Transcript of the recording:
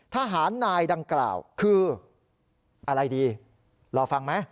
ทหารนายดังกล่าวคืออะไรดีรอฟังไหม